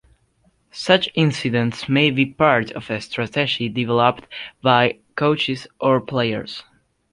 Such incidents may be part of a strategy developed by coaches or players.